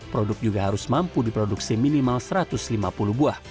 produk juga harus mampu diproduksi minimal satu ratus lima puluh buah